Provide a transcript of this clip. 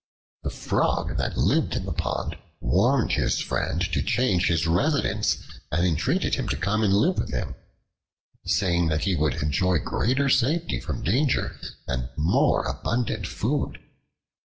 The Frog that lived in the pond warned his friend to change his residence and entreated him to come and live with him, saying that he would enjoy greater safety from danger and more abundant food.